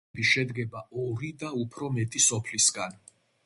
კომუნები შედგება ორი და უფრო მეტი სოფლისგან.